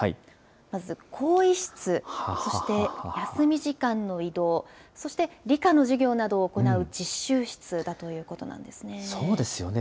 まず、更衣室、そして休み時間の移動、そして理科の授業などを行う実習室だということなんですね。